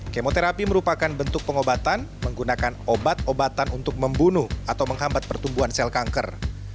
kemoterapi merupakan bentuk pengobatan menggunakan obat obatan untuk membunuh atau menghambat pertumbuhan sel kanker